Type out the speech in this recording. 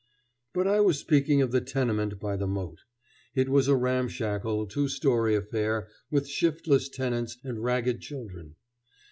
But I was speaking of the tenement by the moat. It was a ramshackle, two story affair with shiftless tenants and ragged children.